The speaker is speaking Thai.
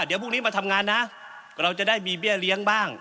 เดี๋ยวพรุ่งนี้มาทำงานนะเราจะได้มีเบี้ยเลี้ยงบ้าง